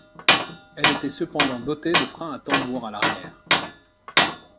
Elle était cependant dotée de freins à tambour à l'arrière.